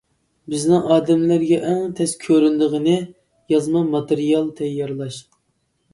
بىزنىڭ ئادەملەرگە ئەڭ تەس كۆرۈنىدىغىنى يازما ماتېرىيال تەييارلاش.